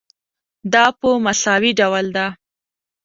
دا په مساوي ډول ده.